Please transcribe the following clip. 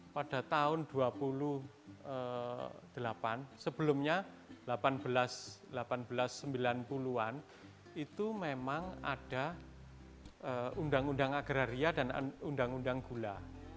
pada tahun dua ribu delapan sebelumnya seribu delapan ratus sembilan puluh an itu memang ada undang undang agraria dan undang undang gula